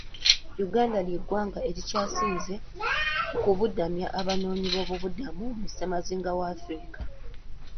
Uganda ly'eggwanga erikyasinze okubudamya Abanoonyi boobubudamu ku ssemazinga wa Africa.